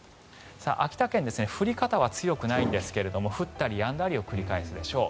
秋田県降り方は強くないんですが降ったりやんだりを繰り返すでしょう。